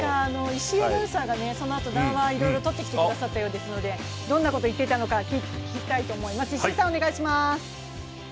石井アナウンサーが談話を取ってきてくださったようなのでどんなことを言っていたのか聞きたいと思います。